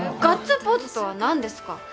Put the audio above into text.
ガッツポーズとは何ですか？